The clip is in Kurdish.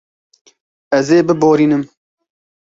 Ez ê biborînim.